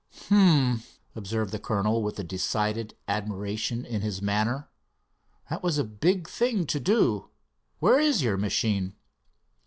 "H'm," observed the colonel, with decided admiration in his manner, "that was a big thing to do. Where is your machine?"